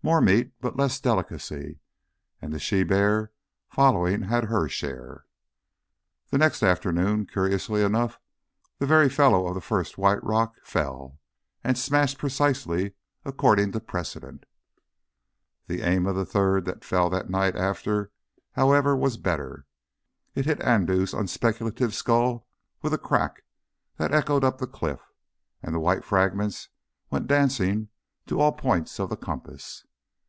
More meat but less delicacy, and the she bear, following, had her share. The next afternoon, curiously enough, the very fellow of the first white rock fell, and smashed precisely according to precedent. The aim of the third, that fell the night after, however, was better. It hit Andoo's unspeculative skull with a crack that echoed up the cliff, and the white fragments went dancing to all the points of the compass.